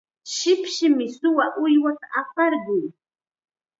shipshim suwa uywata aparqun.